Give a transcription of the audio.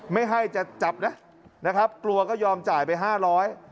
ไม่ให้จะจับนะนะครับกลัวก็ยอมจ่ายไปห้าร้อย